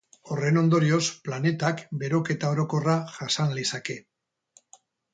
Horren ondorioz, planetak beroketa orokorra jasan lezake.